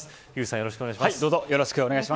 よろしくお願いします。